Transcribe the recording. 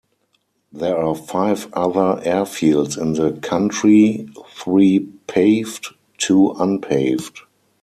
There are five other airfields in the country, three paved, two unpaved.